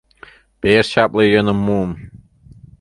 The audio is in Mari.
— Пеш чапле йӧным муым.